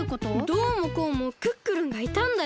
どうもこうもクックルンがいたんだよ。